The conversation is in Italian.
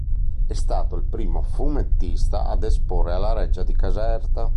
È stato il primo fumettista ad esporre alla Reggia di Caserta.